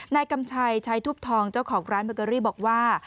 กำชัยชัยทุบทองเจ้าของร้านเบอร์เกอรี่บอกว่า